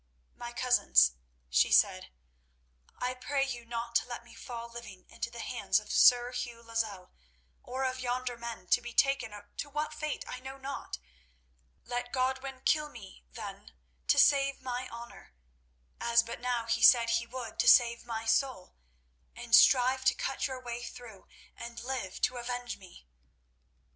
"My cousins," she said, "I pray you not to let me fall living into the hands of Sir Hugh Lozelle, or of yonder men, to be taken to what fate I know not. Let Godwin kill me, then, to save my honour, as but now he said he would to save my soul, and strive to cut your way through, and live to avenge me."